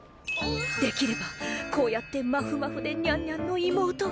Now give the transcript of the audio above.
できればこうやってまふまふでにゃんにゃんの妹が。